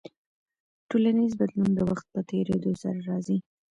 ټولنیز بدلون د وخت په تیریدو سره راځي.